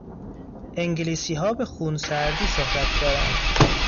انگلیسیها به خونسردی شهرت دارند.